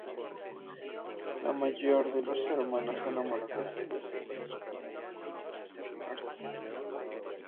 La mayor de dos hermanas enamoradas de un mismo hombre debe sacrificarse.